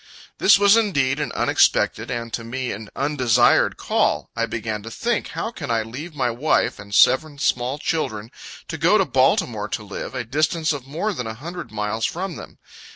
This was indeed an unexpected, and to me an undesired call. I began to think, how can I leave my wife and seven small children, to go to Baltimore to live, a distance of more than a hundred miles from them.